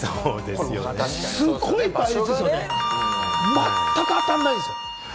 すごい倍率ですよね、全く当たんないですよ。